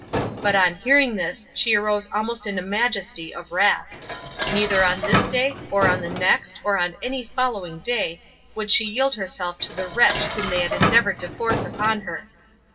But on hearing this she arose almost in a majesty of wrath. Neither on this day, or on the next, or on any following day, would she yield herself to the wretch whom they had endeavoured to force upon her.